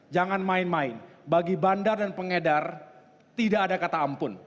jangan main main bagi bandar dan pengedar tidak ada kata ampun